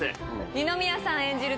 二宮さん演じる